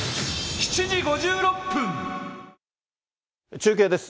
中継です。